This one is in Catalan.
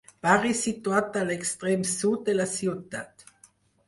Barri situat a l'extrem sud de la ciutat.